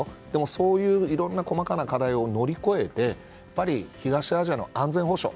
そういういろんな細かな課題を乗り越えてやっぱり、東アジアの安全保障。